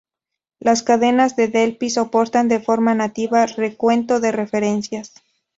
Las cadenas en Delphi soportan, de forma nativa, recuento de referencias.